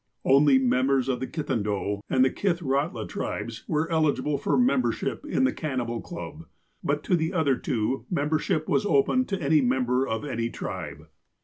Only members of the Kitaudoah and the Kithrahtla tribes were eligible for membership in the Cannibal Club, but, to the other two, membership was open to any member of any tribe.